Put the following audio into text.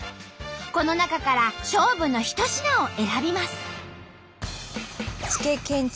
この中から勝負の一品を選びます。